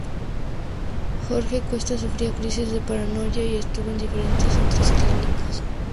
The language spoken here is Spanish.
Jorge Cuesta sufría crisis de paranoia, y estuvo en diferentes centros clínicos.